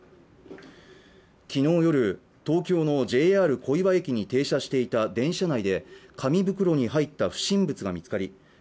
昨日夜東京のＪＲ小岩駅に停車していた電車内で紙袋に入った不審物が見つかり